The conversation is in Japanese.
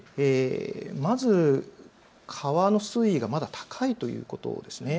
まず川の水位がまだ高いということです。